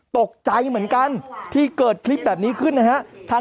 ตกใจเหมือนกันที่เกิดคลิปแบบนี้ขึ้นนะฮะ